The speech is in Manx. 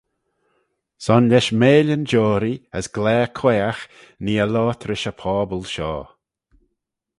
Son lesh meillyn joarree, as glare quaagh nee eh loayrt rish y pobble shoh.